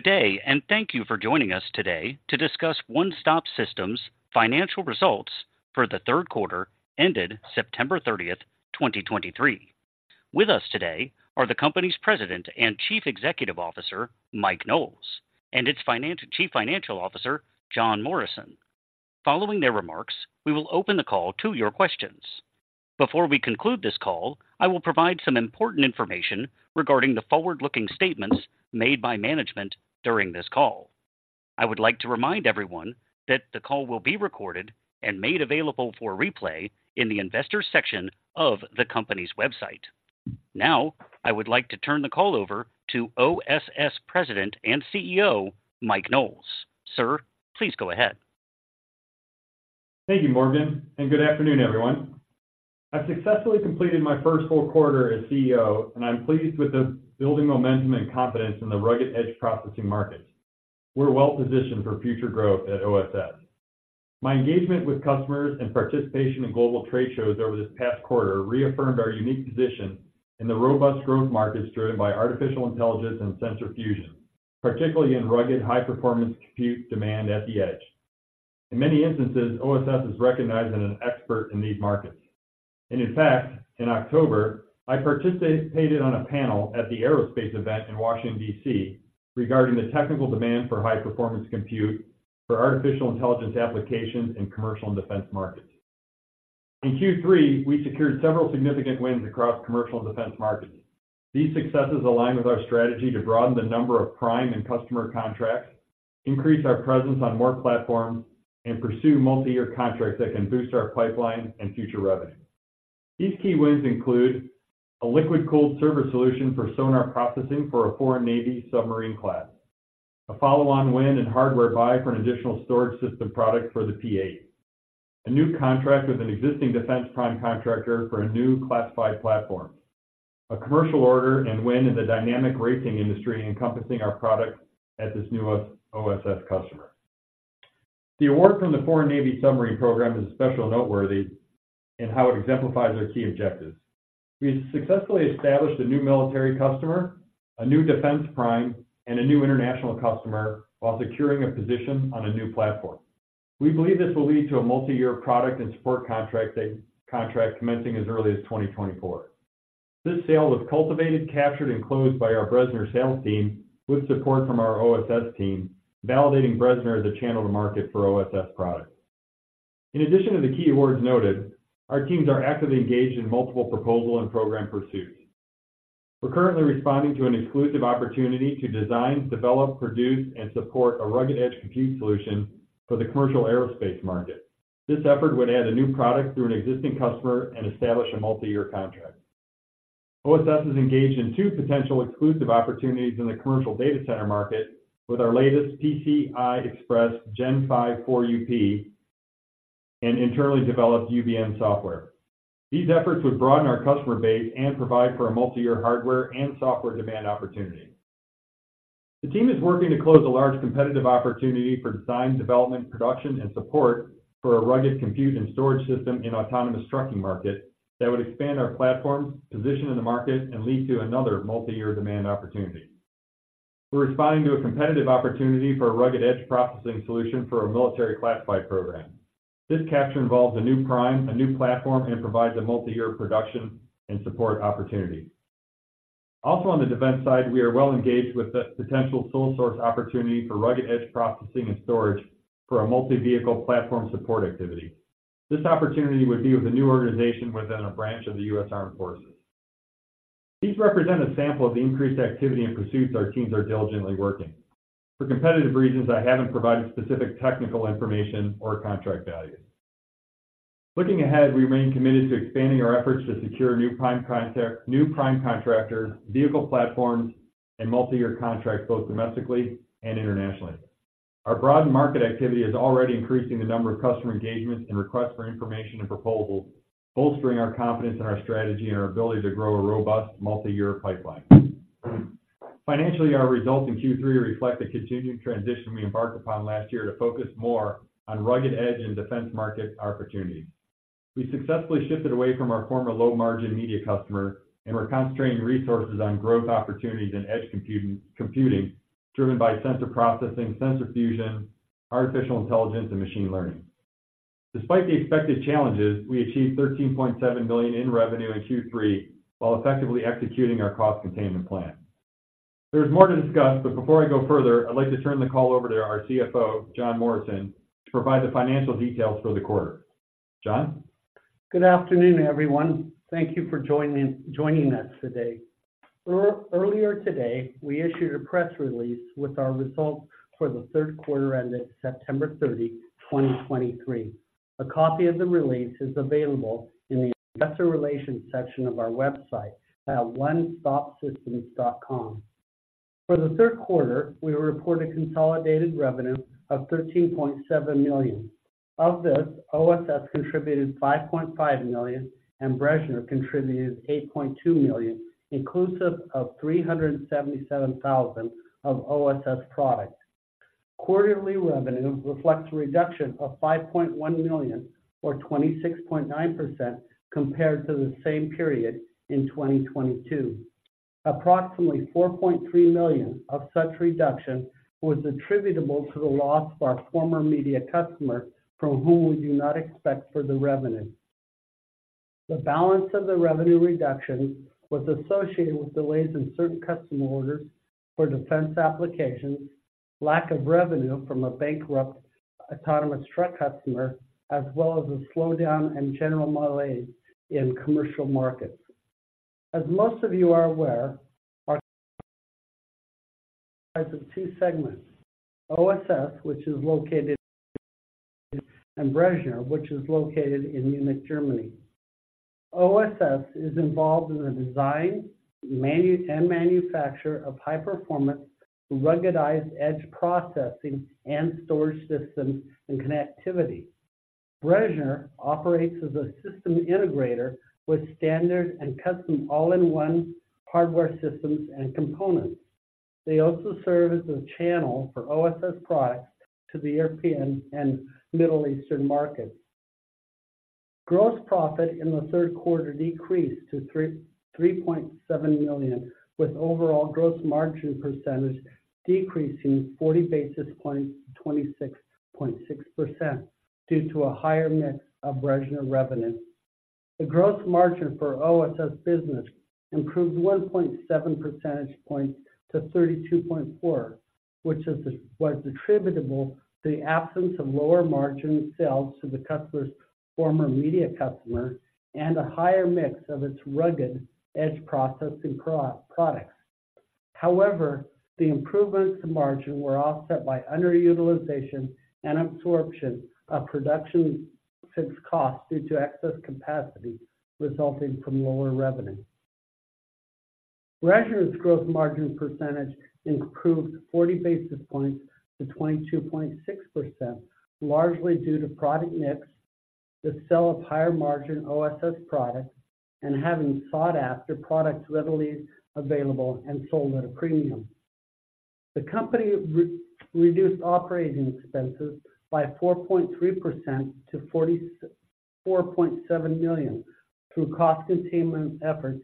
Good day, and thank you for joining us today to discuss One Stop Systems' financial results for the third quarter ended September 30, 2023. With us today are the company's President and Chief Executive Officer, Mike Knowles, and its Chief Financial Officer, John Morrison. Following their remarks, we will open the call to your questions. Before we conclude this call, I will provide some important information regarding the forward-looking statements made by management during this call. I would like to remind everyone that the call will be recorded and made available for replay in the Investors section of the company's website. Now, I would like to turn the call over to OSS President and CEO, Mike Knowles. Sir, please go ahead. Thank you, Morgan, and good afternoon, everyone. I've successfully completed my first full quarter as CEO, and I'm pleased with the building momentum and confidence in the rugged edge processing market. We're well-positioned for future growth at OSS. My engagement with customers and participation in global trade shows over this past quarter reaffirmed our unique position in the robust growth markets driven by artificial intelligence and sensor fusion, particularly in rugged, high-performance compute demand at the Edge. In many instances, OSS is recognized as an expert in these markets. And in fact, in October, I participated on a panel at the aerospace event in Washington, DC, regarding the technical demand for high-performance compute for artificial intelligence applications in commercial and defense markets. In Q3, we secured several significant wins across commercial and defense markets. These successes align with our strategy to broaden the number of prime and customer contracts, increase our presence on more platforms, and pursue multi-year contracts that can boost our pipeline and future revenue. These key wins include a liquid-cooled server solution for sonar processing for a foreign Navy submarine class, a follow-on win and hardware buy for an additional storage system product for the P-8, a new contract with an existing defense prime contractor for a new classified platform, a commercial order and win in the dynamic racing industry, encompassing our product as this newest OSS customer. The award from the Foreign Navy Submarine Program is especially noteworthy in how it exemplifies our key objectives. We've successfully established a new military customer, a new defense prime, and a new international customer while securing a position on a new platform. We believe this will lead to a multi-year product and support contract that contract commencing as early as 2024. This sale was cultivated, captured, and closed by our Bressner sales team with support from our OSS team, validating Bressner as a channel to market for OSS products. In addition to the key awards noted, our teams are actively engaged in multiple proposal and program pursuits. We're currently responding to an exclusive opportunity to design, develop, produce, and support a rugged edge compute solution for the commercial aerospace market. This effort would add a new product through an existing customer and establish a multi-year contract. OSS is engaged in two potential exclusive opportunities in the commercial data center market with our latest PCI Express Gen5 4UP and internally developed UBM software. These efforts would broaden our customer base and provide for a multi-year hardware and software demand opportunity. The team is working to close a large competitive opportunity for design, development, production, and support for a rugged compute and storage system in autonomous trucking market that would expand our platform's position in the market and lead to another multi-year demand opportunity. We're responding to a competitive opportunity for a rugged edge processing solution for a military classified program. This capture involves a new prime, a new platform, and provides a multi-year production and support opportunity. Also, on the defense side, we are well engaged with the potential sole source opportunity for rugged edge processing and storage for a multi-vehicle platform support activity. This opportunity would be with a new organization within a branch of the US Armed Forces. These represent a sample of the increased activity and pursuits our teams are diligently working. For competitive reasons, I haven't provided specific technical information or contract values. Looking ahead, we remain committed to expanding our efforts to secure new prime contractors, vehicle platforms, and multi-year contracts, both domestically and internationally. Our broad market activity is already increasing the number of customer engagements and requests for information and proposals, bolstering our confidence in our strategy and our ability to grow a robust multi-year pipeline. Financially, our results in Q3 reflect the continuing transition we embarked upon last year to focus more on rugged edge and defense market opportunities. We successfully shifted away from our former low-margin media customer, and we're concentrating resources on growth opportunities in edge computing, driven by sensor processing, sensor fusion, artificial intelligence, and machine learning. Despite the expected challenges, we achieved $13.7 million in revenue in Q3 while effectively executing our cost containment plan. There's more to discuss, but before I go further, I'd like to turn the call over to our CFO, John Morrison, to provide the financial details for the quarter. John? Good afternoon, everyone. Thank you for joining us today. Earlier today, we issued a press release with our results for the third quarter ended September 30, 2023. A copy of the release is available in the Investor Relations section of our website at onestopsystems.com. For the third quarter, we reported consolidated revenue of $13.7 million. Of this, OSS contributed $5.5 million, and Bressner contributed $8.2 million, inclusive of $377,000 of OSS product.... quarterly revenue reflects a reduction of $5.1 million, or 26.9%, compared to the same period in 2022. Approximately $4.3 million of such reduction was attributable to the loss of our former media customer, from whom we do not expect further revenue. The balance of the revenue reduction was associated with delays in certain customer orders for defense applications, lack of revenue from a bankrupt autonomous truck customer, as well as a slowdown and general malaise in commercial markets. As most of you are aware, our types of two segments, OSS, which is located, and Bressner, which is located in Munich, Germany. OSS is involved in the design, and manufacture of high-performance, ruggedized edge processing and storage systems and connectivity. Bressner operates as a system integrator with standard and custom all-in-one hardware systems and components. They also serve as a channel for OSS products to the European and Middle Eastern markets. Gross profit in the third quarter decreased to $3.7 million, with overall gross margin percentage decreasing 40 basis points to 26.6%, due to a higher mix of Bressner revenue. The gross margin for OSS business improved 1.7 percentage points to 32.4, which was attributable to the absence of lower margin sales to the Company's former media customer and a higher mix of its rugged edge processing products. However, the improvements in margin were offset by underutilization and absorption of production fixed costs due to excess capacity resulting from lower revenue. Bressner's gross margin percentage improved 40 basis points to 22.6%, largely due to product mix, the sale of higher margin OSS products, and having sought-after products readily available and sold at a premium. The company reduced operating expenses by 4.3% to $44.7 million through cost containment efforts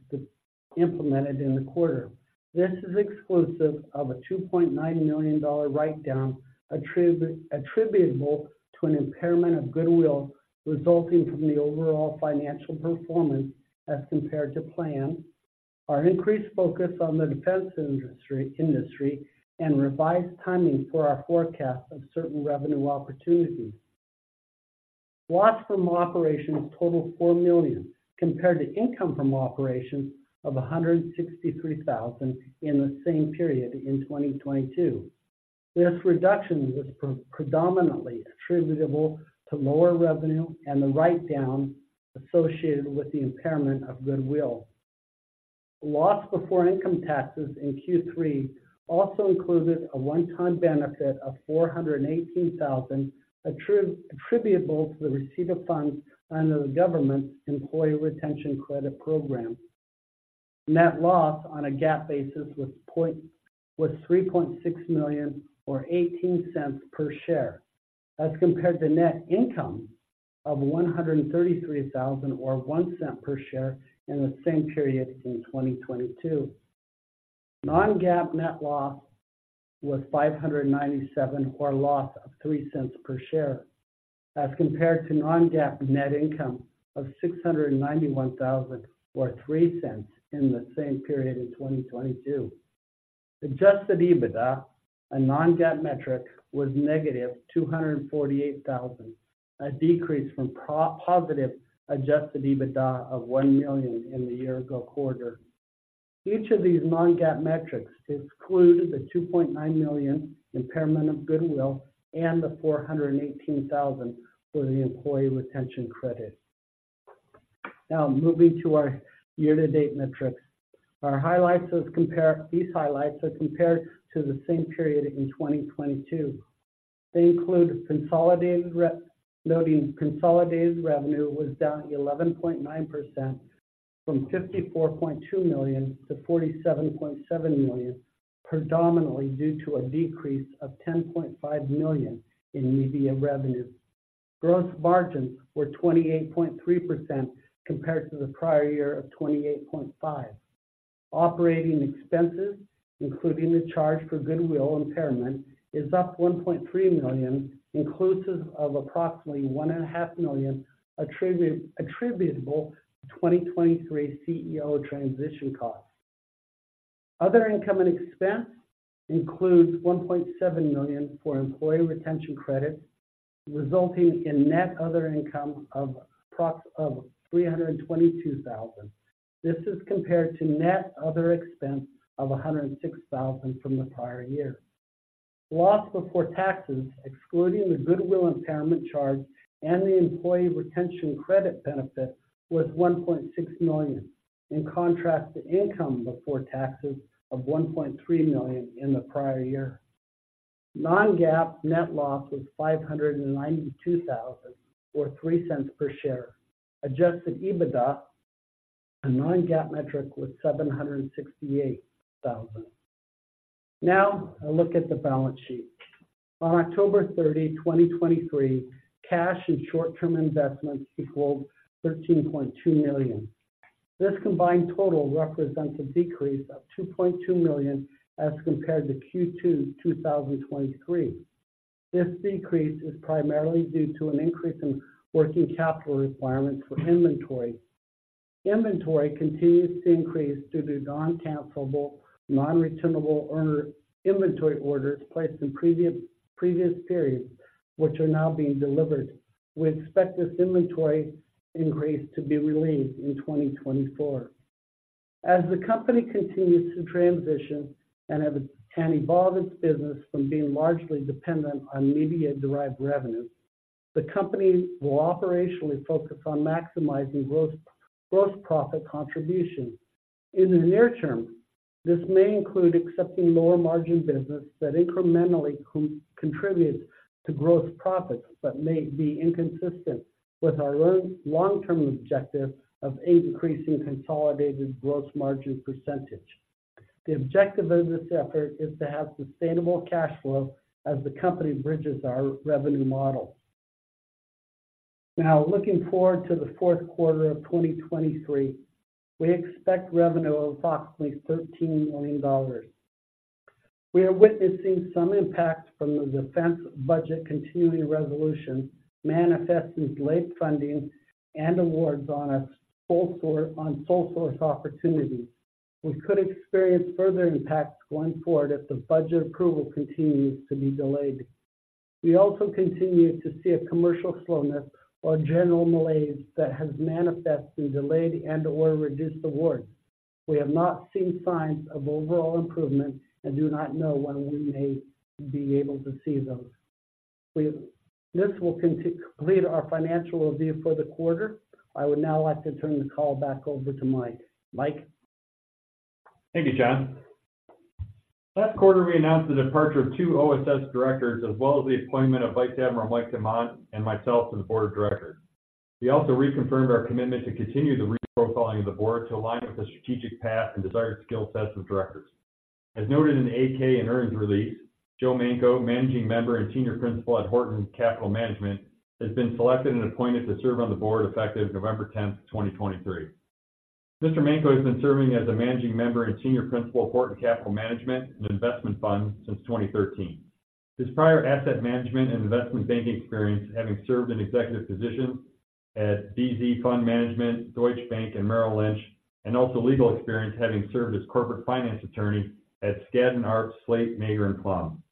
implemented in the quarter. This is exclusive of a $2.9 million write down, attributable to an impairment of goodwill resulting from the overall financial performance as compared to plan, our increased focus on the defense industry, and revised timing for our forecast of certain revenue opportunities. Loss from operations totaled $4 million, compared to income from operations of $163,000 in the same period in 2022. This reduction was predominantly attributable to lower revenue and the write-down associated with the impairment of goodwill. Loss before income taxes in Q3 also included a one-time benefit of $418,000, attributable to the receipt of funds under the government's Employee Retention Credit program. Net loss on a GAAP basis was $3.6 million or $0.18 per share, as compared to net income of $133,000 or $0.01 per share in the same period in 2022. Non-GAAP net loss was $597,000, or a loss of $0.03 per share, as compared to non-GAAP net income of $691,000, or $0.03 in the same period in 2022. Adjusted EBITDA, a non-GAAP metric, was -$248,000, a decrease from positive adjusted EBITDA of $1 million in the year ago quarter. Each of these non-GAAP metrics exclude the $2.9 million impairment of goodwill and the $418,000 for the Employee Retention Credit. Now, moving to our year-to-date metrics. Our highlights. These highlights are compared to the same period in 2022. They include, noting consolidated revenue was down 11.9% from $54.2 million to $47.7 million, predominantly due to a decrease of $10.5 million in media revenue. Gross margins were 28.3% compared to the prior year of 28.5%. Operating expenses, including the charge for goodwill impairment, is up $1.3 million, inclusive of approximately $1.5 million, attributable to 2023 CEO transition costs. Other income and expense includes $1.7 million for Employee Retention Credit, resulting in net other income of $322,000. This is compared to net other expense of $106,000 from the prior year. Loss before taxes, excluding the goodwill impairment charge and the Employee Retention Credit benefit, was $1.6 million, in contrast to income before taxes of $1.3 million in the prior year. Non-GAAP net loss was $592,000, or $0.03 per share. Adjusted EBITDA... A non-GAAP metric was $768,000. Now, a look at the balance sheet. On October 30, 2023, cash and short-term investments equaled $13.2 million. This combined total represents a decrease of $2.2 million as compared to Q2, 2023. This decrease is primarily due to an increase in working capital requirements for inventory. Inventory continues to increase due to non-cancelable, non-returnable order inventory orders placed in previous periods, which are now being delivered. We expect this inventory increase to be relieved in 2024. As the company continues to transition and evolve its business from being largely dependent on media-derived revenues, the company will operationally focus on maximizing gross profit contribution. In the near term, this may include accepting lower-margin business that incrementally contributes to gross profits, but may be inconsistent with our long-term objective of a decreasing consolidated gross margin percentage. The objective of this effort is to have sustainable cash flow as the company bridges our revenue model. Now, looking forward to the fourth quarter of 2023, we expect revenue of approximately $13 million. We are witnessing some impact from the defense budget continuing resolution, manifesting late funding and awards on sole source opportunities. We could experience further impacts going forward if the budget approval continues to be delayed. We also continue to see a commercial slowness or general malaise that has manifested in delayed and/or reduced awards. We have not seen signs of overall improvement and do not know when we may be able to see those. This will complete our financial review for the quarter. I would now like to turn the call back over to Mike. Mike? Thank you, John, last quarter, we announced the departure of two OSS directors, as well as the appointment of Vice Admiral Mike Dumont and myself to the board of directors. We also reconfirmed our commitment to continue the reprofiling of the board to align with the strategic path and desired skill sets of directors. As noted in the 8-K and earnings release, Joe Manko, Managing Member and Senior Principal at Horton Capital Management, has been selected and appointed to serve on the board effective November 10th, 2023. Mr. Manko has been serving as a Managing Member and Senior Principal of Horton Capital Management and Investment Funds since 2013. His prior asset management and investment banking experience, having served in executive positions at DZ Fund Management, Deutsche Bank, and Merrill Lynch, and also legal experience, having served as corporate finance attorney at Skadden, Arps, Slate, Meagher & Flom.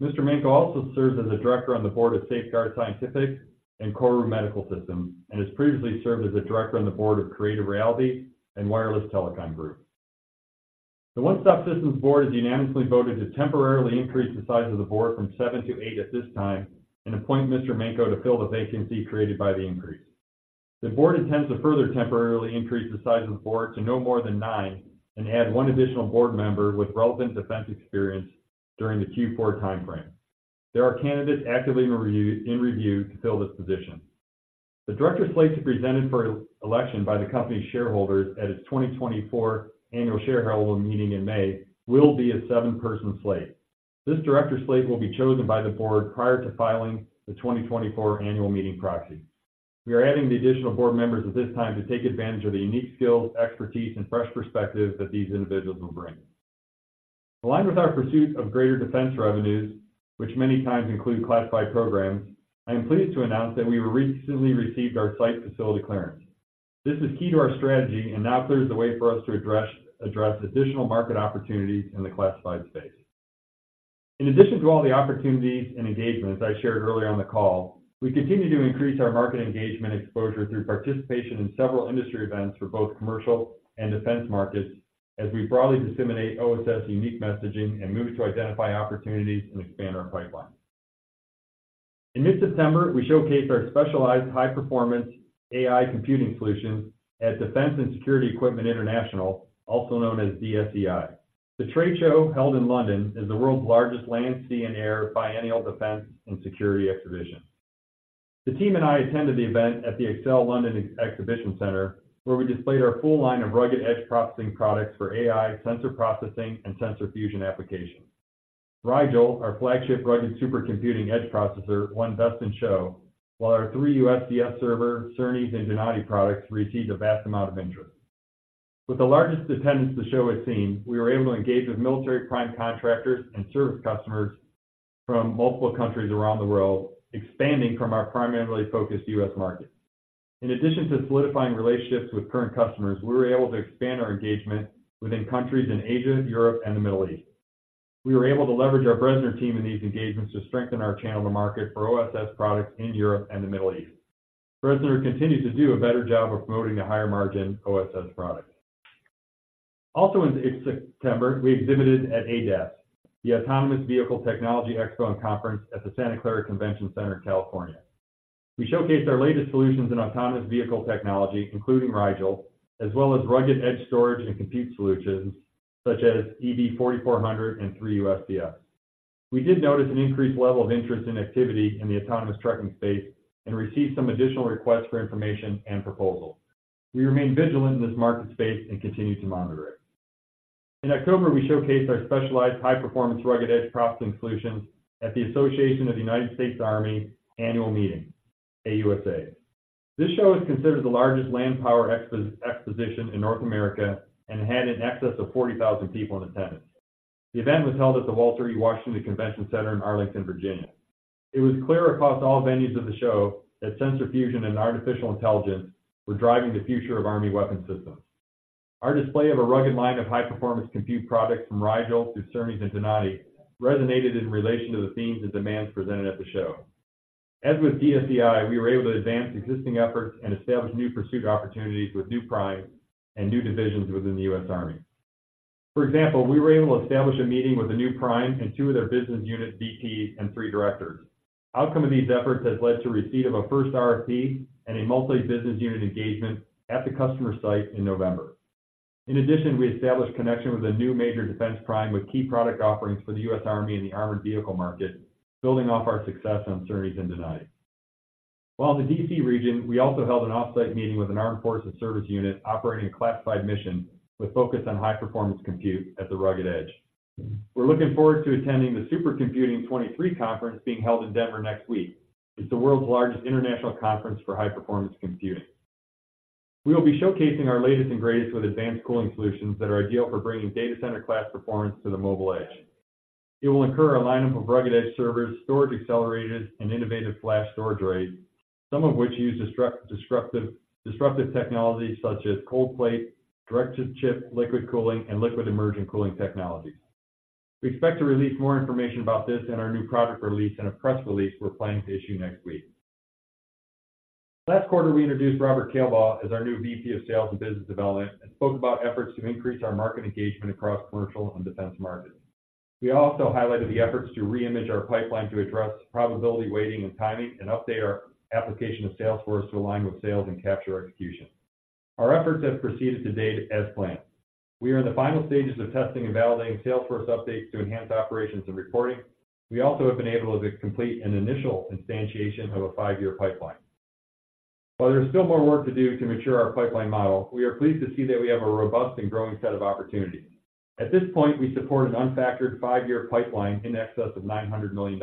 Mr. Manko also serves as a director on the board of Safeguard Scientifics and Orus Medical Systems, and has previously served as a director on the board of Creative Realities and Wireless Telecom Group. The One Stop Systems board has unanimously voted to temporarily increase the size of the board from seven to eight at this time, and appoint Mr. Manko to fill the vacancy created by the increase. The board intends to further temporarily increase the size of the board to no more than nine and add one additional board member with relevant defense experience during the Q4 timeframe. There are candidates actively in review, in review to fill this position. The director slate to be presented for election by the company's shareholders at its 2024 annual shareholder meeting in May will be a seven-person slate. This director slate will be chosen by the board prior to filing the 2024 annual meeting proxy. We are adding the additional board members at this time to take advantage of the unique skills, expertise, and fresh perspective that these individuals will bring. Aligned with our pursuit of greater defense revenues, which many times include classified programs, I am pleased to announce that we recently received our Site Facility Clearance. This is key to our strategy and now clears the way for us to address additional market opportunities in the classified space. In addition to all the opportunities and engagements I shared earlier on the call, we continue to increase our market engagement exposure through participation in several industry events for both commercial and defense markets, as we broadly disseminate OSS unique messaging and move to identify opportunities and expand our pipeline. In mid-September, we showcased our specialized high-performance AI computing solutions at Defense and Security Equipment International, also known as DSEI. The trade show, held in London, is the world's largest land, sea, and air biennial defense and security exhibition. The team and I attended the event at the ExCeL London exhibition center, where we displayed our full line of rugged edge processing products for AI, sensor processing, and sensor fusion applications. Rigel, our flagship rugged supercomputing edge processor, won Best in Show, while our 3U SDS server, Cernus, and Denali products received a vast amount of interest. With the largest attendance the show has seen, we were able to engage with military prime contractors and service customers from multiple countries around the world, expanding from our primarily focused US market. In addition to solidifying relationships with current customers, we were able to expand our engagement within countries in Asia, Europe, and the Middle East. We were able to leverage our Bressner team in these engagements to strengthen our channel to market for OSS products in Europe and the Middle East. Bressner continues to do a better job of promoting the higher-margin OSS products. Also in September, we exhibited at ADAS, the Autonomous Vehicle Technology Expo and Conference at the Santa Clara Convention Center in California. We showcased our latest solutions in autonomous vehicle technology, including Rigel, as well as rugged edge storage and compute solutions such as EV4400 and 3U SDS. We did notice an increased level of interest and activity in the autonomous trucking space and received some additional requests for information and proposals. We remain vigilant in this market space and continue to monitor it. In October, we showcased our specialized high-performance rugged edge processing solutions at the Association of the United States Army Annual Meeting, AUSA. This show is considered the largest land power exposition in North America and had in excess of 40,000 people in attendance. The event was held at the Walter E. Washington Convention Center in Arlington, Virginia. It was clear across all venues of the show that sensor fusion and artificial intelligence were driving the future of Army weapon systems. Our display of a rugged line of high-performance compute products from Rigel through Cernus and Denali resonated in relation to the themes and demands presented at the show. As with DSEI, we were able to advance existing efforts and establish new pursuit opportunities with new primes and new divisions within the US Army. For example, we were able to establish a meeting with a new prime and two of their business unit VPs and three directors. Outcome of these efforts has led to receipt of a first RFP and a multi-business unit engagement at the customer site in November. In addition, we established connection with a new major defense prime with key product offerings for the US Army and the armored vehicle market, building off our success on Cernus and Denali. While in the DC region, we also held an off-site meeting with an armed forces service unit operating a classified mission with focus on high-performance compute at the rugged edge. We're looking forward to attending the Supercomputing 2023 conference being held in Denver next week. It's the world's largest international conference for high-performance computing. We will be showcasing our latest and greatest with advanced cooling solutions that are ideal for bringing data center class performance to the mobile edge. It will include a lineup of rugged edge servers, storage accelerators, and innovative flash storage arrays, some of which use disruptive technologies such as cold plate, direct to chip liquid cooling, and liquid immersion cooling technologies. We expect to release more information about this in our new product release and a press release we're planning to issue next week. Last quarter, we introduced Robert Kalebaugh as our new VP of Sales and Business Development and spoke about efforts to increase our market engagement across commercial and defense markets. We also highlighted the efforts to reimage our pipeline to address probability, weighting, and timing, and update our application of Salesforce to align with sales and capture execution. Our efforts have proceeded to date as planned. We are in the final stages of testing and validating Salesforce updates to enhance operations and reporting. We also have been able to complete an initial instantiation of a five-year pipeline. While there's still more work to do to mature our pipeline model, we are pleased to see that we have a robust and growing set of opportunities. At this point, we support an unfactored five-year pipeline in excess of $900 million.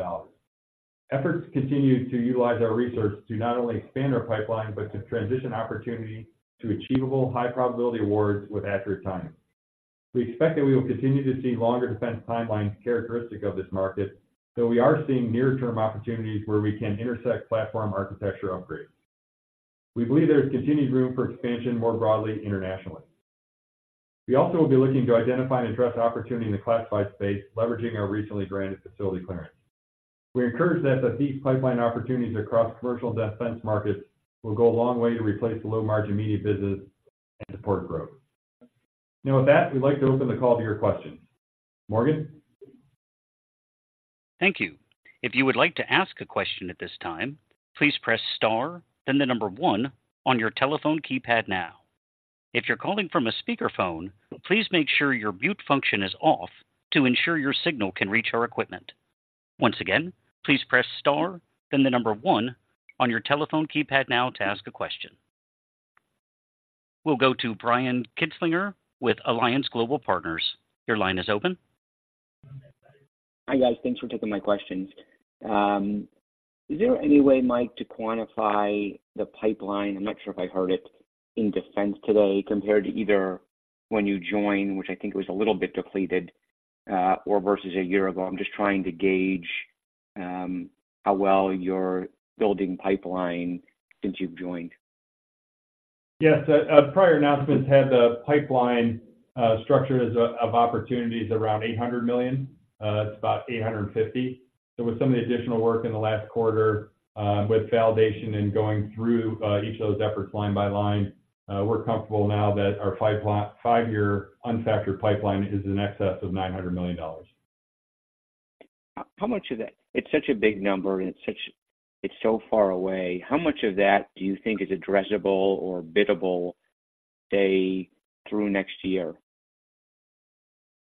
Efforts continue to utilize our resources to not only expand our pipeline, but to transition opportunity to achievable, high-probability awards with accurate timing. We expect that we will continue to see longer defense timelines characteristic of this market, though we are seeing near-term opportunities where we can intersect platform architecture upgrades. We believe there is continued room for expansion more broadly internationally. We also will be looking to identify and address opportunity in the classified space, leveraging our recently granted facility clearance. We are encouraged that the deep pipeline opportunities across commercial and defense markets will go a long way to replace the low-margin media business and support growth. Now, with that, we'd like to open the call to your questions. Morgan? Thank you. If you would like to ask a question at this time, please press star, then the number one on your telephone keypad now. If you're calling from a speakerphone, please make sure your mute function is off to ensure your signal can reach our equipment. Once again, please press star, then the number one on your telephone keypad now to ask a question. We'll go to Brian Kinstlinger with Alliance Global Partners. Your line is open. Hi, guys. Thanks for taking my questions. Is there any way, Mike, to quantify the pipeline, I'm not sure if I heard it, in defense today compared to either when you joined, which I think it was a little bit depleted, or versus a year ago? I'm just trying to gauge how well you're building pipeline since you've joined. Yes, prior announcements had the pipeline structure as of opportunities around $800 million. It's about $850 million. So with some of the additional work in the last quarter, with validation and going through, each of those efforts line by line, we're comfortable now that our five-year unfactored pipeline is in excess of $900 million. How much of that... It's such a big number and it's so far away. How much of that do you think is addressable or biddable, say, through next year?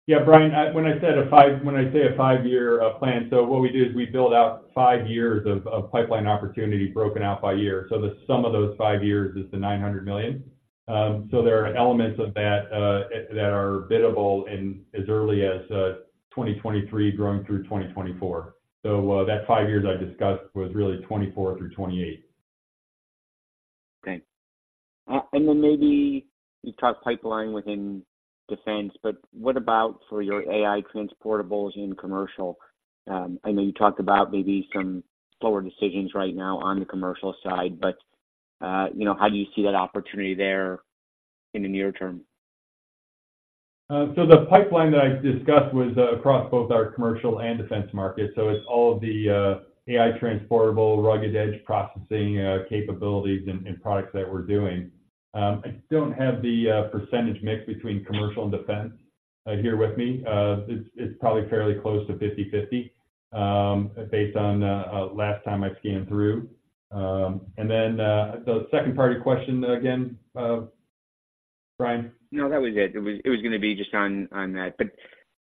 Yeah, Brian, when I say a five-year plan, so what we do is we build out five years of pipeline opportunity broken out by year. So the sum of those five years is the $900 million. So there are elements of that that are biddable in as early as 2023, growing through 2024. So that five years I discussed was really 2024 through 2028. Okay. And then maybe you talked pipeline within defense, but what about for your AI transportables in commercial? I know you talked about maybe some slower decisions right now on the commercial side, but, you know, how do you see that opportunity there in the near term? So the pipeline that I discussed was across both our commercial and defense markets, so it's all of the AI transportable, rugged edge processing capabilities and products that we're doing. I don't have the percentage mix between commercial and defense here with me. It's probably fairly close to 50/50, based on last time I scanned through. And then the second part of your question again. Brian? No, that was it. It was gonna be just on that. But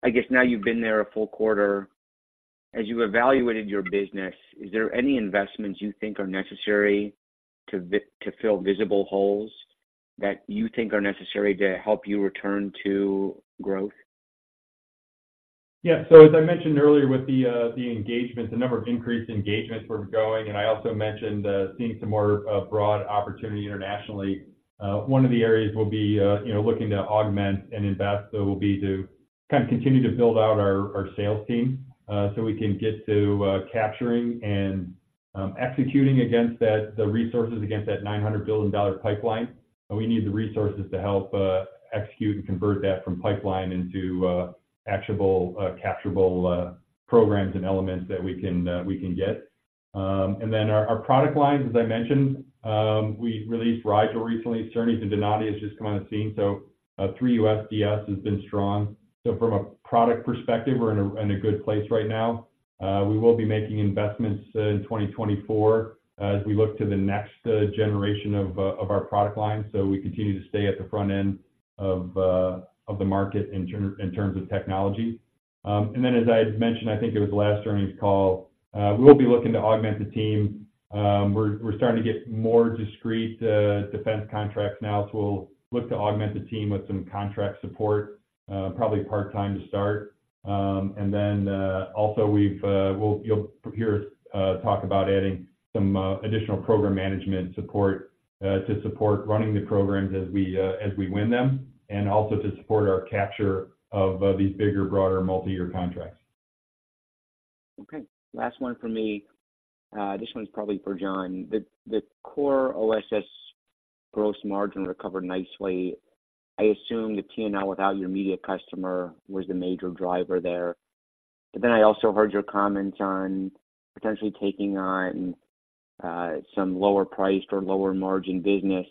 I guess now you've been there a full quarter. As you evaluated your business, is there any investments you think are necessary to fill visible holes, that you think are necessary to help you return to growth? Yeah. So as I mentioned earlier, with the engagement, the number of increased engagements we're going, and I also mentioned seeing some more broad opportunity internationally. One of the areas we'll be, you know, looking to augment and invest, so will be to kind of continue to build out our sales team, so we can get to capturing and executing against that—the resources against that $900 billion pipeline. And we need the resources to help execute and convert that from pipeline into actionable capturable programs and elements that we can we can get. And then our product lines, as I mentioned, we released Rigel recently, Cernus and Denali has just come on the scene, so 3U SDS has been strong. So from a product perspective, we're in a good place right now. We will be making investments in 2024, as we look to the next generation of our product line. So we continue to stay at the front end of the market in terms of technology. And then, as I had mentioned, I think it was the last earnings call, we will be looking to augment the team. We're starting to get more discrete defense contracts now, so we'll look to augment the team with some contract support, probably part-time to start. And then, also we've, we'll you'll hear us talk about adding some additional program management support to support running the programs as we as we win them, and also to support our capture of these bigger, broader, multi-year contracts. Okay, last one from me. This one's probably for John. The core OSS gross margin recovered nicely. I assume the T&L without your media customer was the major driver there. But then I also heard your comments on potentially taking on some lower priced or lower margin business,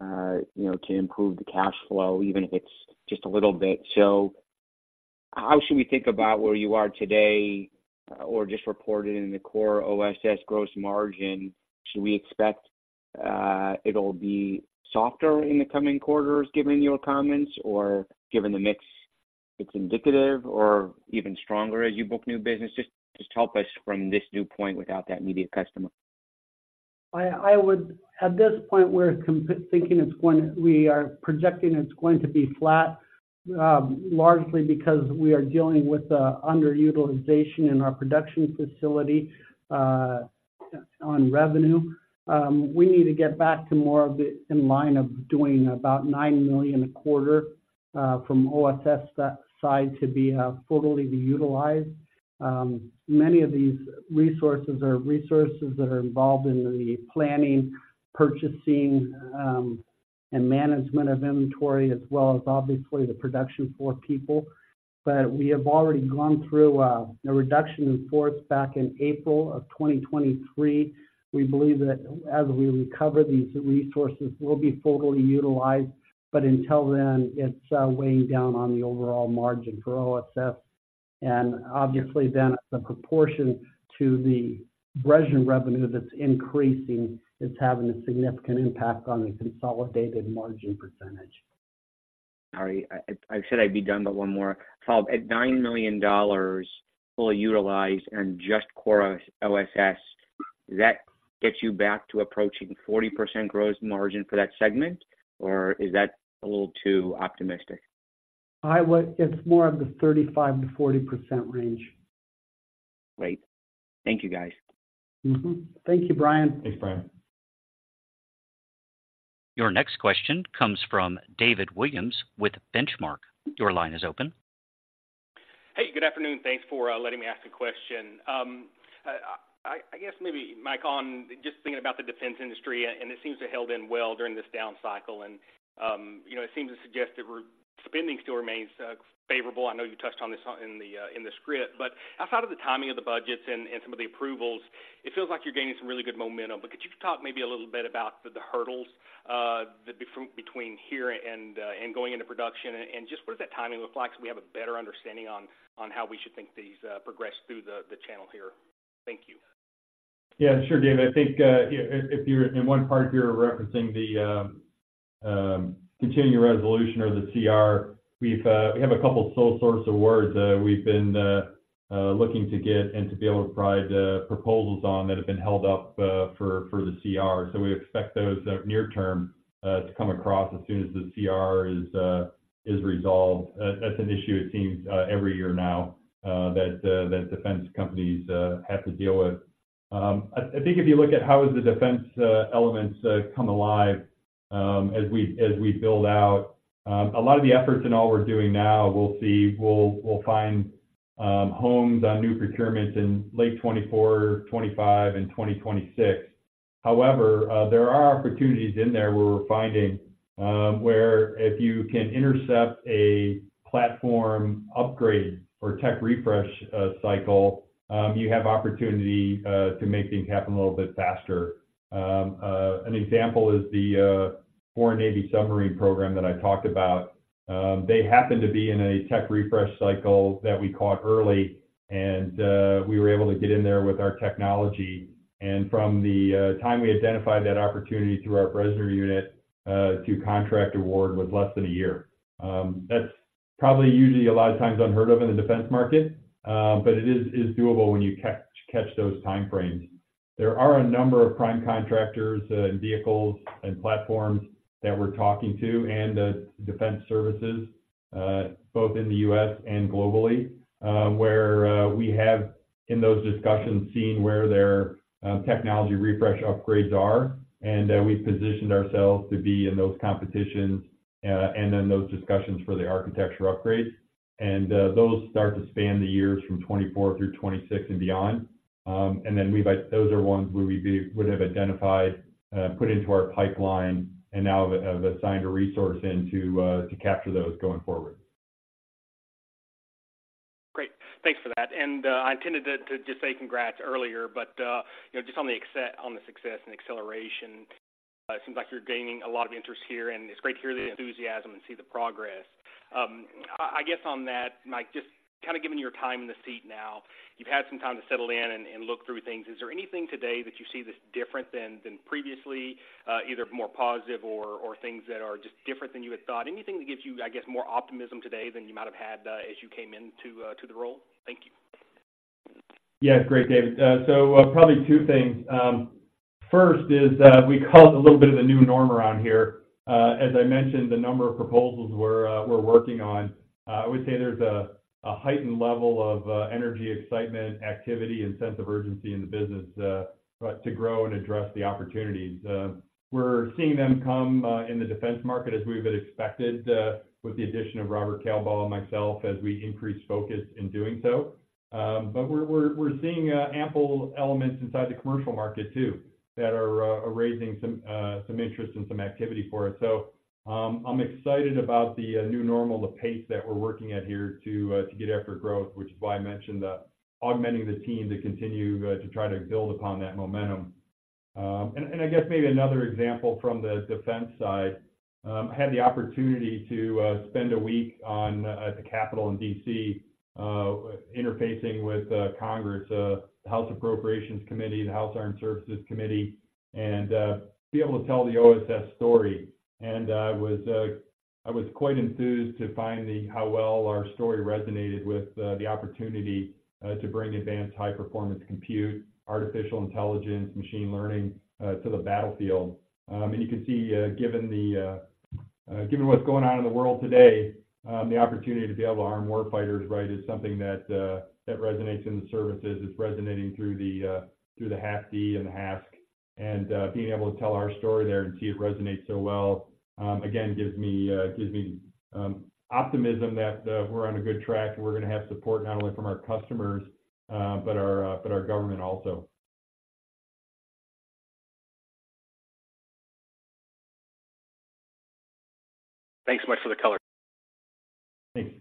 you know, to improve the cash flow, even if it's just a little bit. So how should we think about where you are today, or just reported in the core OSS gross margin? Should we expect it'll be softer in the coming quarters, given your comments, or given the mix, it's indicative or even stronger as you book new business? Just help us from this new point without that media customer. I would, at this point, we're thinking it's going to be flat, largely because we are dealing with underutilization in our production facility on revenue. We need to get back to more of the in line of doing about $9 million a quarter from OSS, that side to be fully utilized. Many of these resources are resources that are involved in the planning, purchasing, and management of inventory, as well as obviously the production for people. But we have already gone through a reduction in force back in April 2023. We believe that as we recover, these resources will be fully utilized, but until then, it's weighing down on the overall margin for OSS. Obviously then, the proportion to the Resolute revenue that's increasing is having a significant impact on the consolidated margin percentage. Sorry, I said I'd be done, but one more. So at $9 million, fully utilized and just core OSS, does that get you back to approaching 40% gross margin for that segment, or is that a little too optimistic? It's more of the 35%-40% range. Great. Thank you, guys. Mm-hmm. Thank you, Brian. Thanks, Brian. Your next question comes from David Williams with Benchmark. Your line is open. Hey, good afternoon. Thanks for letting me ask a question. I guess maybe, Mike, on just thinking about the defense industry, and it seems to have held in well during this down cycle, and you know, it seems to suggest that we're spending still remains favorable. I know you touched on this in the script, but outside of the timing of the budgets and some of the approvals, it feels like you're gaining some really good momentum. But could you talk maybe a little bit about the hurdles between here and going into production? And just what does that timing look like, so we have a better understanding on how we should think these progress through the channel here. Thank you. Yeah, sure, David. I think, if you're in one part, you're referencing the Continuing Resolution or the CR, we have a couple of sole source awards we've been looking to get and to be able to provide proposals on that have been held up for the CR. So we expect those near term to come across as soon as the CR is resolved. That's an issue it seems every year now that defense companies have to deal with. I think if you look at how the defense elements come alive as we build out a lot of the efforts and all we're doing now, we'll see, we'll find homes on new procurements in late 2024, 2025 and 2026. However, there are opportunities in there where we're finding where if you can intercept a platform upgrade or tech refresh cycle you have opportunity to make things happen a little bit faster. An example is the foreign navy submarine program that I talked about. They happen to be in a tech refresh cycle that we caught early, and we were able to get in there with our technology. And from the time we identified that opportunity through our Resolute unit to contract award was less than a year. Probably usually a lot of times unheard of in the defense market, but it is doable when you catch those timeframes. There are a number of prime contractors and vehicles and platforms that we're talking to, and the defense services both in the US and globally where we have, in those discussions, seen where their technology refresh upgrades are, and we've positioned ourselves to be in those competitions and in those discussions for the architecture upgrades. And those start to span the years from 2024 through 2026 and beyond. And then we've, those are ones where we would have identified, put into our pipeline, and now have assigned a resource into, to capture those going forward. Great. Thanks for that. And I intended to just say congrats earlier, but you know, just on the success and acceleration, it seems like you're gaining a lot of interest here, and it's great to hear the enthusiasm and see the progress. I guess on that, Mike, just kinda given your time in the seat now, you've had some time to settle in and look through things. Is there anything today that you see that's different than previously, either more positive or things that are just different than you had thought? Anything that gives you, I guess, more optimism today than you might have had as you came into the role? Thank you. Yeah. Great, David. So, probably two things. First is, we call it a little bit of a new norm around here. As I mentioned, the number of proposals we're working on, I would say there's a heightened level of energy, excitement, activity, and sense of urgency in the business, but to grow and address the opportunities. We're seeing them come in the defense market as we've had expected, with the addition of Robert Kalebaugh and myself, as we increase focus in doing so. But we're seeing ample elements inside the commercial market too, that are raising some interest and some activity for US So, I'm excited about the new normal, the pace that we're working at here to get after growth, which is why I mentioned augmenting the team to continue to try to build upon that momentum. And I guess maybe another example from the defense side. I had the opportunity to spend a week on at the Capitol in DC, interfacing with Congress, House Appropriations Committee, the House Armed Services Committee, and be able to tell the OSS story. And I was quite enthused to find how well our story resonated with the opportunity to bring advanced high-performance compute, artificial intelligence, machine learning to the battlefield. And you can see, given what's going on in the world today, the opportunity to be able to arm war fighters, right, is something that resonates in the services. It's resonating through the HAFB and the HASC, and being able to tell our story there and see it resonate so well, again, gives me optimism that we're on a good track and we're gonna have support not only from our customers, but our government also. Thanks so much for the color. Thank you.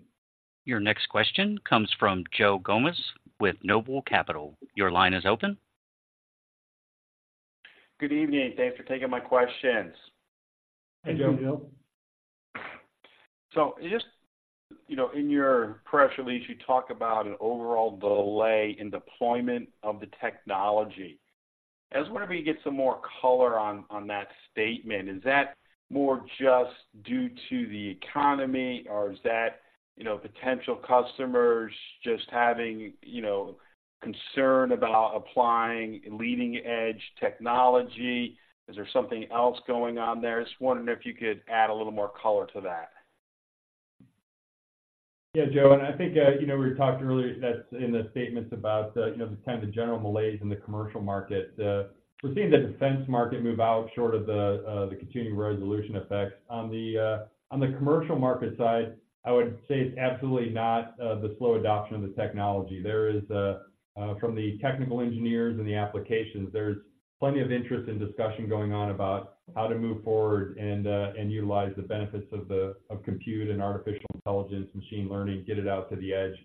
Your next question comes from Joe Gomes with Noble Capital. Your line is open. Good evening. Thanks for taking my questions. Hi, Joe. Hi, Joe. So just, you know, in your press release, you talk about an overall delay in deployment of the technology. I was wondering if you could get some more color on that statement. Is that more just due to the economy, or is that, you know, potential customers just having, you know, concern about applying leading-edge technology? Is there something else going on there? Just wondering if you could add a little more color to that. Yeah, Joe, and I think, you know, we talked earlier that in the statements about, you know, the kind of general malaise in the commercial market. We're seeing the defense market move out short of the Continuing Resolution effects. On the commercial market side, I would say it's absolutely not the slow adoption of the technology. There is, from the technical engineers and the applications, there's plenty of interest and discussion going on about how to move forward and utilize the benefits of compute and artificial intelligence, machine learning, get it out to the edge.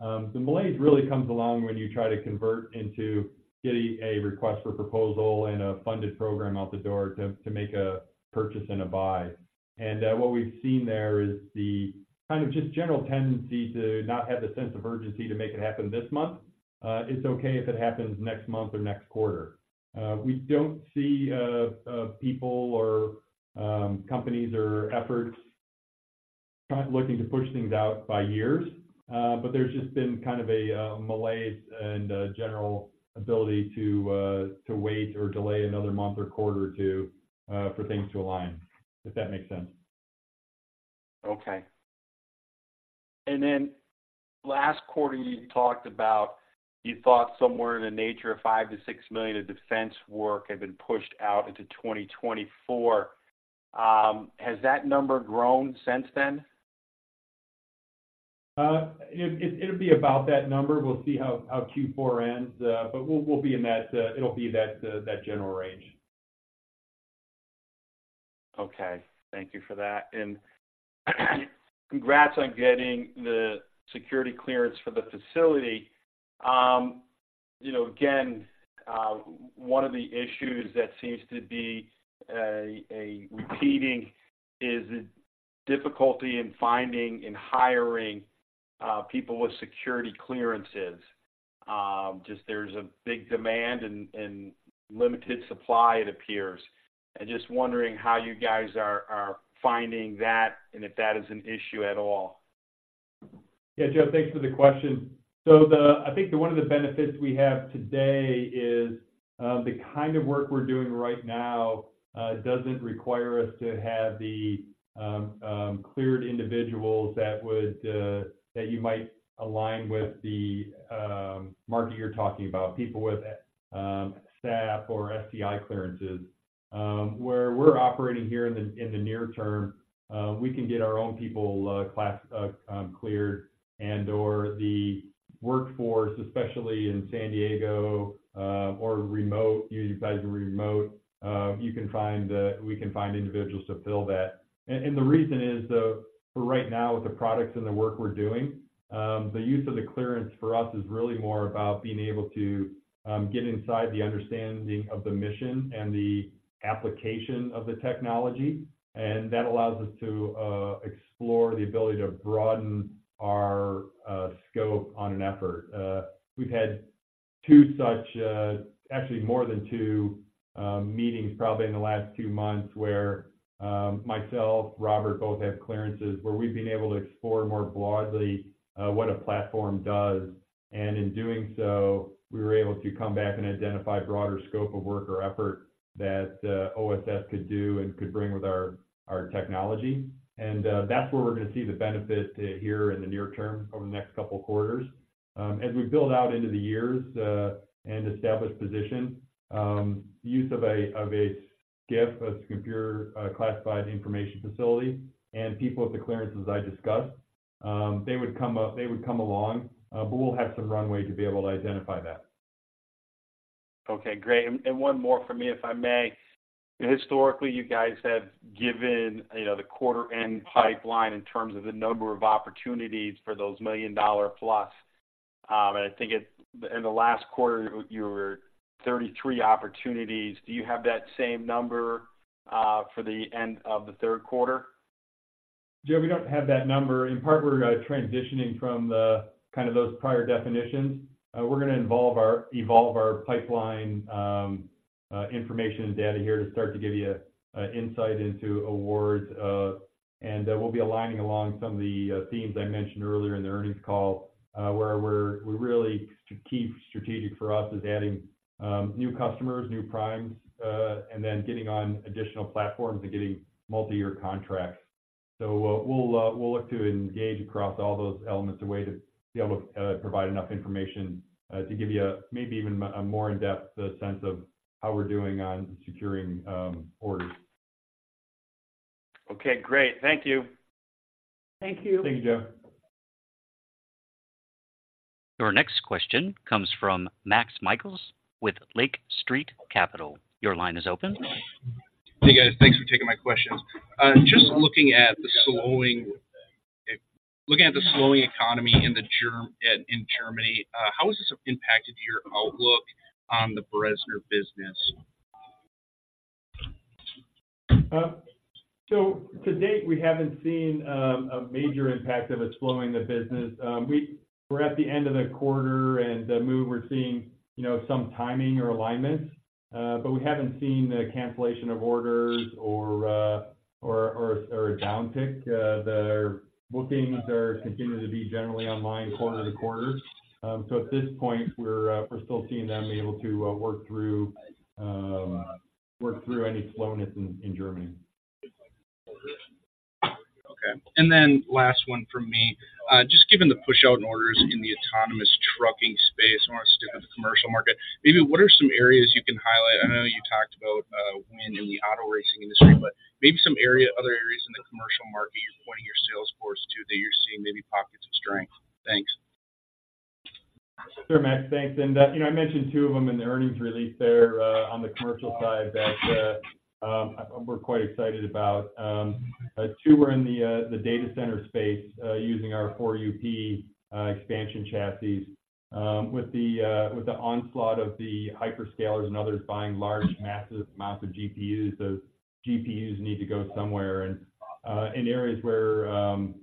The malaise really comes along when you try to convert into getting a request for proposal and a funded program out the door to make a purchase and a buy. What we've seen there is the kind of just general tendency to not have the sense of urgency to make it happen this month. It's okay if it happens next month or next quarter. We don't see people or companies or efforts kind of looking to push things out by years, but there's just been kind of a malaise and a general ability to wait or delay another month or quarter or two for things to align, if that makes sense. Okay. And then last quarter, you talked about, you thought somewhere in the nature of $5 million-$6 million of defense work had been pushed out into 2024. Has that number grown since then? It'll be about that number. We'll see how Q4 ends, but we'll be in that. It'll be that general range. Okay, thank you for that. Congrats on getting the security clearance for the facility. You know, again, one of the issues that seems to be a repeating is the difficulty in finding and hiring people with security clearances. Just there's a big demand and limited supply, it appears. I'm just wondering how you guys are finding that and if that is an issue at all? Yeah, Joe, thanks for the question. So I think one of the benefits we have today is the kind of work we're doing right now doesn't require us to have the cleared individuals that would that you might align with the market you're talking about. People with TS/SCI clearances. Where we're operating here in the near term, we can get our own people cleared, and/or the workforce, especially in San Diego, or remote, you guys are remote, we can find individuals to fill that. And the reason is, though, for right now, with the products and the work we're doing, the use of the clearance for us is really more about being able to get inside the understanding of the mission and the application of the technology. And that allows us to explore the ability to broaden our scope on an effort. We've had two such, actually, more than two, meetings, probably in the last two months, where myself, Robert, both have clearances, where we've been able to explore more broadly what a platform does. And in doing so, we were able to come back and identify broader scope of work or effort that OSS could do and could bring with our technology. That's where we're gonna see the benefit, here in the near term, over the next couple of quarters. As we build out into the years, and establish position, use of a, of a SCIF, a secure, classified information facility, and people with the clearances I discussed, they would come along, but we'll have some runway to be able to identify that. Okay, great. And one more for me, if I may. Historically, you guys have given, you know, the quarter-end pipeline in terms of the number of opportunities for those $1 million-plUS And I think in the last quarter, you were 33 opportunities. Do you have that same number for the end of the third quarter? Joe, we don't have that number. In part, we're transitioning from the kind of those prior definitions. We're gonna evolve our pipeline information and data here to start to give you an insight into awards. And we'll be aligning along some of the themes I mentioned earlier in the earnings call, where we're really to keep strategic for us is adding new customers, new primes, and then getting on additional platforms and getting multi-year contracts. So we'll look to engage across all those elements a way to be able to provide enough information to give you a maybe even a more in-depth sense of how we're doing on securing orders. Okay, great. Thank you. Thank you. Thank you, Joe. Our next question comes from Max Michaelis with Lake Street Capital. Your line is open. Hey, guys. Thanks for taking my questions. Just looking at the slowing economy in Germany, how has this impacted your outlook on the Bressner business? So to date, we haven't seen a major impact of it slowing the business. We're at the end of the quarter, and we're seeing, you know, some timing or alignments, but we haven't seen a cancellation of orders or a downtick. The bookings are continuing to be generally online, quarter to quarter. So at this point, we're still seeing them able to work through any slowness in Germany. Okay. And then last one from me. Just given the push out in orders in the autonomous trucking space, I want to stick with the commercial market, maybe what are some areas you can highlight? I know you talked about a win in the auto racing industry, but maybe some other areas in the commercial market you're pointing your sales force to, that you're seeing maybe pockets of strength. Thanks. Sure, Max. Thanks. And, you know, I mentioned two of them in the earnings release there, on the commercial side that, we're quite excited about. Two were in the data center space, using our 4UP expansion chassis. With the onslaught of the hyperscalers and others buying large, massive amounts of GPUs, those GPUs need to go somewhere. And, in areas where, and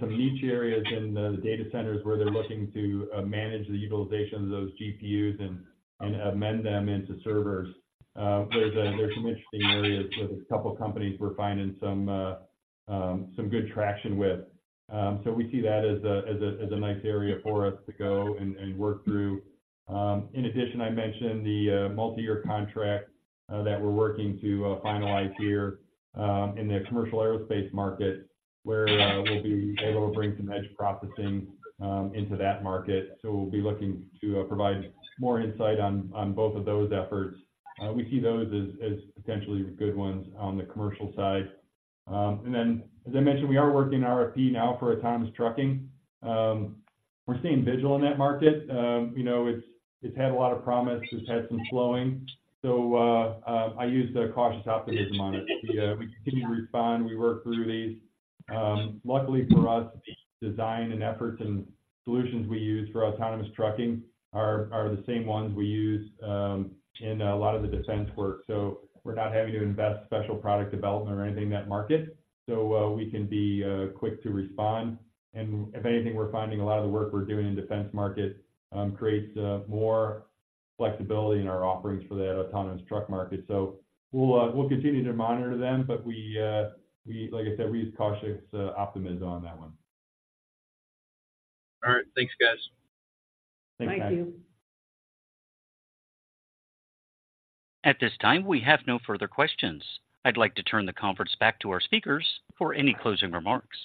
some niche areas in the data centers where they're looking to manage the utilization of those GPUs and amend them into servers, there's some interesting areas with a couple of companies we're finding some good traction with. So we see that as a nice area for us to go and work through. In addition, I mentioned the multi-year contract that we're working to finalize here in the commercial aerospace market, where we'll be able to bring some edge processing into that market. So we'll be looking to provide more insight on both of those efforts. We see those as potentially good ones on the commercial side. And then, as I mentioned, we are working an RFP now for autonomous trucking. We're staying vigilant in that market. You know, it's had a lot of promise, it's had some slowing, so I use the cautious optimism on it. We continue to respond, we work through these. Luckily for us, the design and efforts and-... Solutions we use for autonomous trucking are the same ones we use in a lot of the defense work. So we're not having to invest special product development or anything in that market, so we can be quick to respond. And if anything, we're finding a lot of the work we're doing in defense market creates more flexibility in our offerings for that autonomous truck market. So we'll continue to monitor them, but we, like I said, we use cautious optimism on that one. All right. Thanks, guys. Thanks, guys. Thank you. At this time, we have no further questions. I'd like to turn the conference back to our speakers for any closing remarks.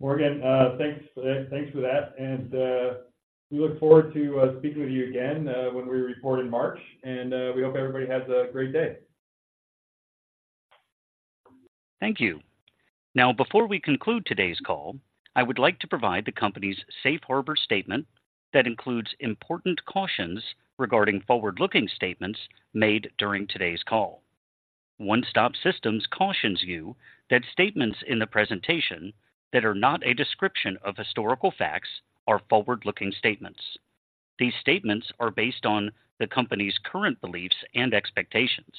Morgan, thanks, thanks for that, and we look forward to speaking with you again when we report in March, and we hope everybody has a great day. Thank you. Now, before we conclude today's call, I would like to provide the company's Safe Harbor statement that includes important cautions regarding forward-looking statements made during today's call. One Stop Systems cautions you that statements in the presentation that are not a description of historical facts are forward-looking statements. These statements are based on the company's current beliefs and expectations.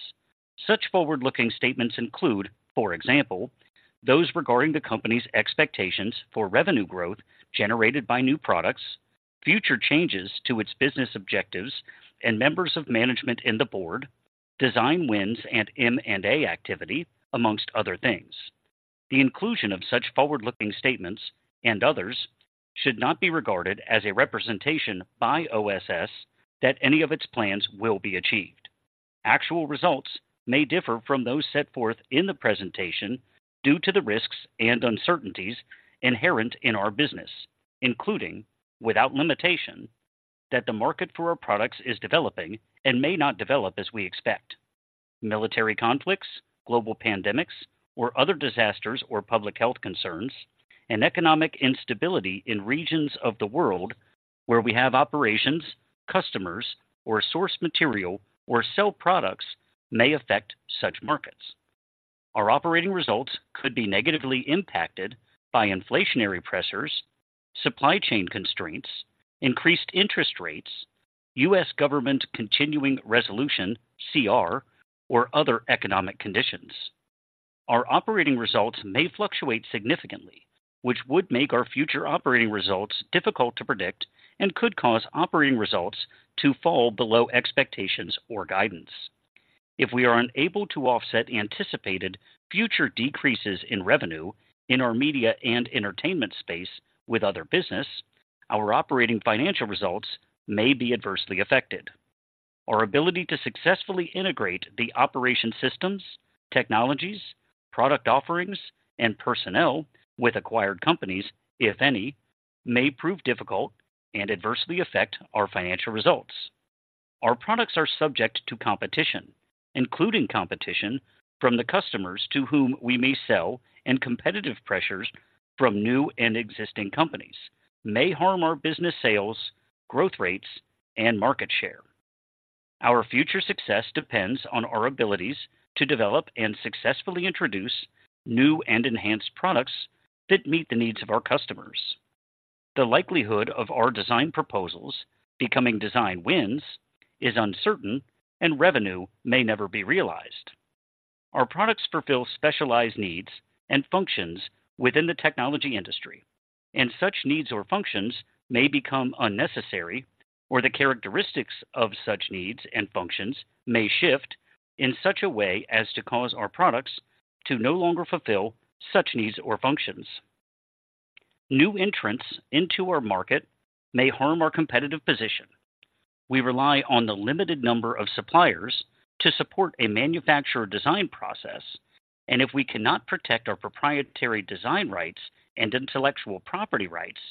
Such forward-looking statements include, for example, those regarding the company's expectations for revenue growth generated by new products, future changes to its business objectives and members of management and the board, design wins and M&A activity, amongst other things. The inclusion of such forward-looking statements and others should not be regarded as a representation by OSS that any of its plans will be achieved. Actual results may differ from those set forth in the presentation due to the risks and uncertainties inherent in our business, including, without limitation, that the market for our products is developing and may not develop as we expect. Military conflicts, global pandemics or other disasters or public health concerns, and economic instability in regions of the world where we have operations, customers or source material or sell products, may affect such markets. Our operating results could be negatively impacted by inflationary pressures, supply chain constraints, increased interest rates, US government continuing resolution, CR, or other economic conditions. Our operating results may fluctuate significantly, which would make our future operating results difficult to predict and could cause operating results to fall below expectations or guidance. If we are unable to offset anticipated future decreases in revenue in our media and entertainment space with other business, our operating financial results may be adversely affected. Our ability to successfully integrate the operating systems, technologies, product offerings, and personnel with acquired companies, if any, may prove difficult and adversely affect our financial results. Our products are subject to competition, including competition from the customers to whom we may sell, and competitive pressures from new and existing companies may harm our business sales, growth rates, and market share. Our future success depends on our abilities to develop and successfully introduce new and enhanced products that meet the needs of our customers. The likelihood of our design proposals becoming design wins is uncertain and revenue may never be realized. Our products fulfill specialized needs and functions within the technology industry, and such needs or functions may become unnecessary or the characteristics of such needs and functions may shift in such a way as to cause our products to no longer fulfill such needs or functions. New entrants into our market may harm our competitive position. We rely on the limited number of suppliers to support a manufacturer design process, and if we cannot protect our proprietary design rights and intellectual property rights,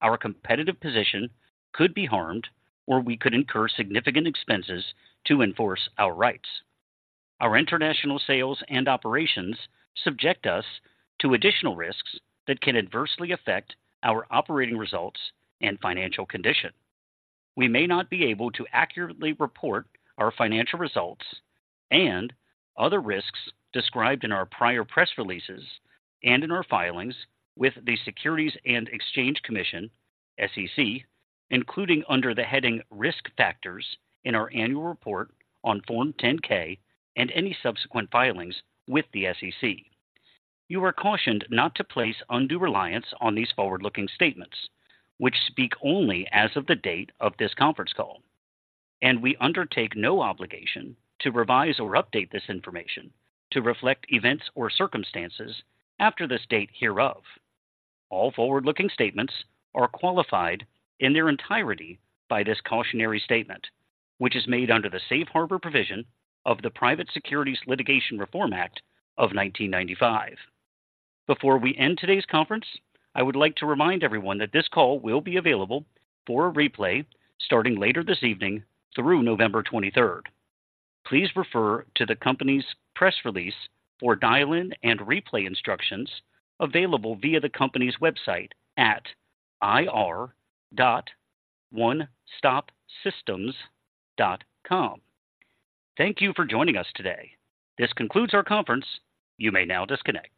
our competitive position could be harmed, or we could incur significant expenses to enforce our rights. Our international sales and operations subject us to additional risks that can adversely affect our operating results and financial condition. We may not be able to accurately report our financial results and other risks described in our prior press releases and in our filings with the Securities and Exchange Commission, SEC, including under the heading Risk Factors in our Annual Report on Form 10-K, and any subsequent filings with the SEC. You are cautioned not to place undue reliance on these forward-looking statements, which speak only as of the date of this conference call, and we undertake no obligation to revise or update this information to reflect events or circumstances after this date hereof. All forward-looking statements are qualified in their entirety by this cautionary statement, which is made under the Safe Harbor provision of the Private Securities Litigation Reform Act of 1995. Before we end today's conference, I would like to remind everyone that this call will be available for a replay starting later this evening through November 23rd. Please refer to the company's press release for dial-in and replay instructions available via the company's website at ir.onestopsystems.com. Thank you for joining us today. This concludes our conference. You may now disconnect.